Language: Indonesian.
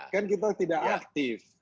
kan kita tidak aktif